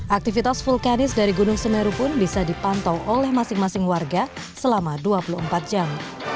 aktivitas vulkanis dari gunung semeru pun bisa dipantau oleh masing masing warga selama dua puluh empat jam